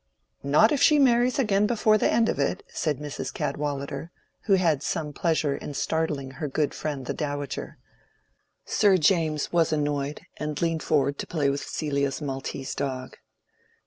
"Not if she marries again before the end of it," said Mrs. Cadwallader, who had some pleasure in startling her good friend the Dowager. Sir James was annoyed, and leaned forward to play with Celia's Maltese dog.